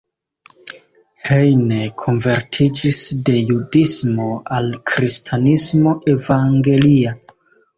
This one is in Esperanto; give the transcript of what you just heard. Heine konvertiĝis de judismo al kristanismo evangelia.